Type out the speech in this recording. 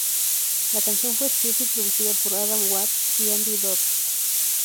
La canción fue escrita y producida por Adam Watts y Andy Dodd.